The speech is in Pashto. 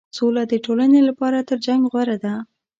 سوله د ټولنې لپاره تر جنګ غوره ده.